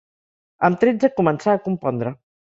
Amb tretze començà a compondre.